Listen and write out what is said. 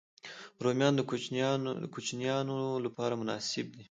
رومیان د کوچنيانو لپاره هم مناسب دي